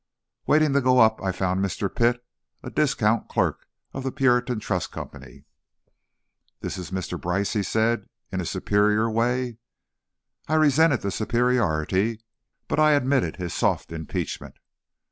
Waiting to go up, I found Mr. Pitt, a discount clerk of the Puritan Trust Company. "This is Mr. Brice?" he said, in a superior way. I resented the superiority, but I admitted his soft impeachment.